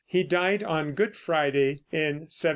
He died on Good Friday in 1750.